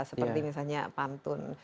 seperti misalnya pantun